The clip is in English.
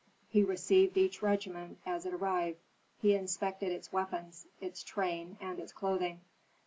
He received each regiment as it arrived; he inspected its weapons, its train, and its clothing.